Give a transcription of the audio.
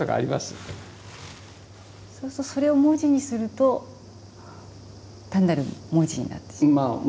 そうするとそれを文字にすると単なる文字になってしまう。